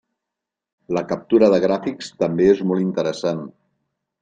La captura de gràfics també és molt interessant.